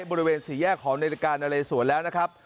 บริเวณสี่แยกของนาฬิกานะเลสวนแล้วนะครับ